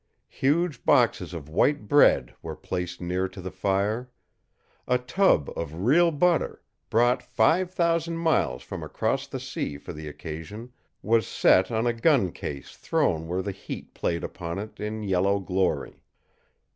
Huge boxes of white bread were placed near to the fire. A tub of real butter, brought five thousand miles from across the sea for the occasion, was set on a gun case thrown where the heat played upon it in yellow glory.